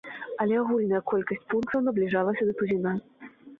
Але агульная колькасць пунктаў набліжалася да тузіна.